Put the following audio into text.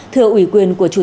thưa ủy quyền của chủ tịch nước